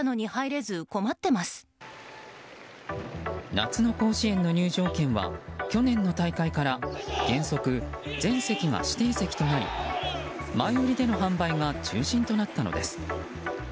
夏の甲子園の入場券は去年の大会から原則、全席が指定席となり前売りでの販売が中心となったのです。